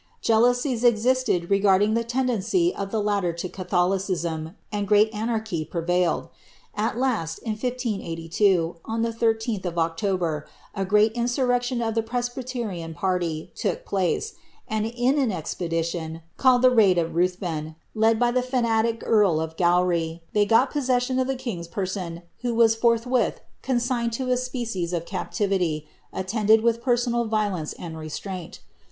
Jealousies existed regarding the tendency of the latter to Catholicism, and great anarchy prevailed. At last, in 158*^, on the 13th of October, a general insurrection of the presbyterian party took place, and, in an expedition, called the Raid of Ruthven, led by the fana tic earl of Gowrie, they got posMsion of the king's pereon, who was Ibrtliwith consigned to a species^f captivity, attended with personal violence and restraint.